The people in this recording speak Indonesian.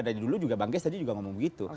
dari dulu juga bang ges tadi juga ngomong begitu